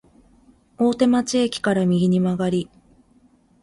大手町駅から右に曲がり、